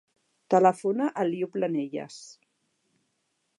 Telefona a l'Iu Planelles.